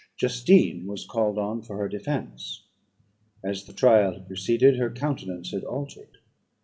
Justine was called on for her defence. As the trial had proceeded, her countenance had altered.